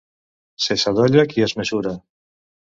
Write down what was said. Se sadolla qui es mesura.